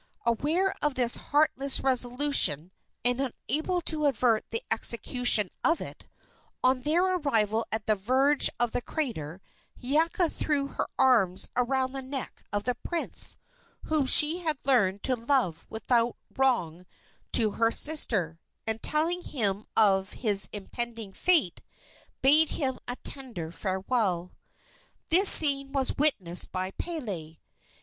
Aware of this heartless resolution, and unable to avert the execution of it, on their arrival at the verge of the crater Hiiaka threw her arms around the neck of the prince, whom she had learned to love without wrong to her sister, and, telling him of his impending fate, bade him a tender farewell. This scene was witnessed by Pele.